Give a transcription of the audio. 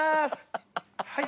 ・はい。